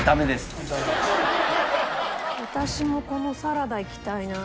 私もこのサラダいきたいな。